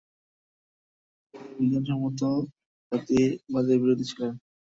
তিনি বিজ্ঞানসম্মত জাতিবাদের বিরোধী ছিলেন।